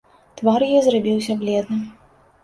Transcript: Твар яе зрабіўся бледным.